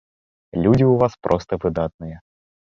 Людзі ў вас проста выдатныя!